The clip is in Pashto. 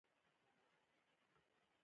• ډېری اختراعات د انرژۍ د تولید په اړه دي.